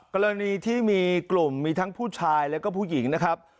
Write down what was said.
กรณีที่มีกลุ่มมีทั้งผู้ชายแล้วก็ผู้หญิงนะครับ